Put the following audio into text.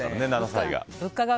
７歳が。